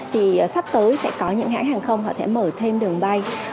thì sắp tới sẽ có những hãng hàng không họ sẽ mở thêm đường bay